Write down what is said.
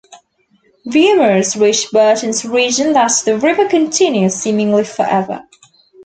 Rumors reach Burton's region that the river continues seemingly forever.